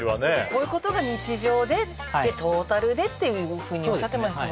こういうことが日常でトータルでっていうふうにおっしゃってました